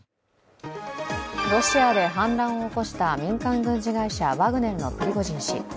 ロシアで反乱を起こした民間軍事会社・ワグネルのプリゴジン氏。